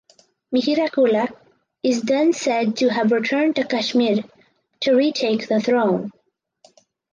Mihirakula is then said to have returned to Kashmir to retake the throne.